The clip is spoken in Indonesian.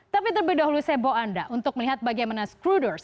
tapi terlebih dahulu saya bawa anda untuk melihat bagaimana scruders